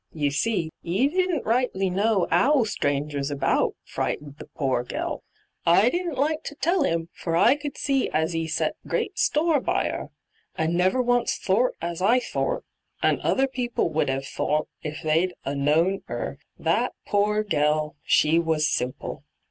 You see, *e didn't rightly know *ow strangers about flighted the pore gelL I didn't like to tell 'im, for I could see as 'e set great store by 'er, and never once thort as I thort — and other people would 'ave thought if they'd 'a' known 'er — tJiat, poor gell I she was simple.